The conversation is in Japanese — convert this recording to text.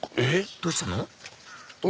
どうしたの？